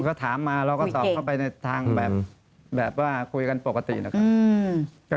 ก็ถามมาเราก็ตอบเข้าไปในทางแบบว่าคุยกันปกตินะครับ